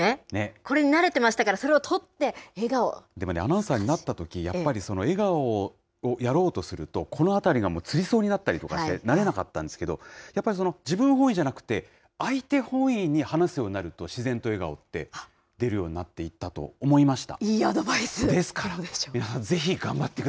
これに慣れてましたから、それをでもね、アナウンサーになったとき、やっぱり、笑顔をやろうとするとこの辺りがもう、つりそうになったりして、慣れなかったんですけど、やっぱり自分本位じゃなくて、相手本位に話すようになると、自然と笑顔って出るようになっていったと思いました。